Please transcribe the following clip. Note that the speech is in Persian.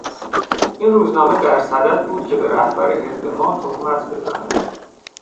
این روزنامه در صدد بود که به رهبر حزب ما تهمت بزند.